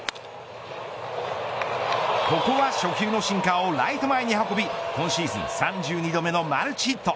ここは初球のシンカーをライト前に運び今シーズン３２度目のマルチヒット。